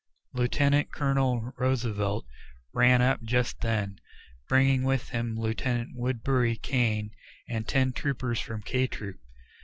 Lieutenant Colonel Roosevelt ran up just then, bringing with him Lieutenant Woodbury Kane and ten troopers from K Troop.